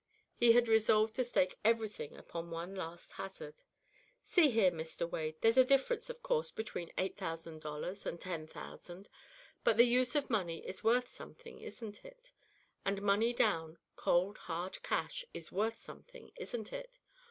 He had resolved to stake everything upon one last hazard. "See here, Mr. Wade, there's a difference, of course, between eight thousand dollars and ten thousand, but the use of money is worth something, isn't it? And money down, cold hard cash, is worth something, isn't it?